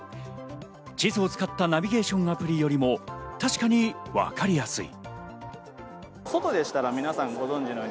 地図を使ったナビゲーションアプリよりも確かにわかりやすい。